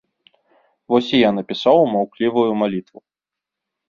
Вось і я напісаў маўклівую малітву.